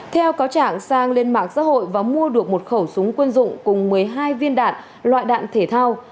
theo cáo trạng sang lên mạng xã hội và mua được một khẩu súng quân dụng cùng một mươi hai viên đạn loại đạn thể thao